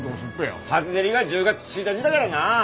初競りが１０月１日だからなあ。